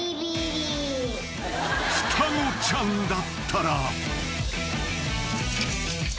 ［双子ちゃんだったら］